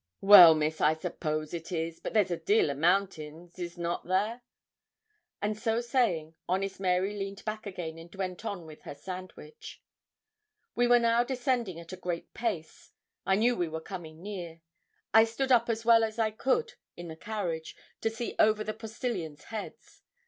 'Well, Miss, I suppose it is; but there's a deal o' mountains is not there?' And so saying, honest Mary leaned back again, and went on with her sandwich. We were now descending at a great pace. I knew we were coming near. I stood up as well as I could in the carriage, to see over the postilions' heads.